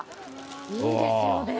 いいですよね。